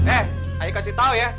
eh ayo kasih tahu ya